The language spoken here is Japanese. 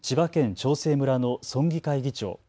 長生村の村議会議長。